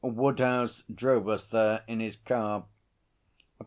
Woodhouse drove us there in his car.